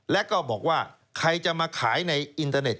แล้วก็บอกว่าใครจะมาขายในอินเทอร์เน็ต